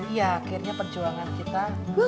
ya akhirnya perjuangan kita